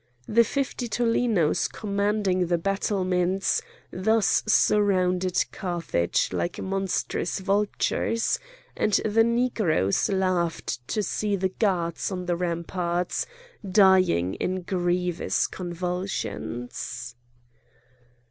The fifty tollenos commanding the battlements thus surrounded Carthage like monstrous vultures; and the Negroes laughed to see the guards on the rampart dying in grievous convulsions.